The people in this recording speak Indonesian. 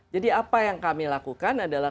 jadi apa yang kami lakukan adalah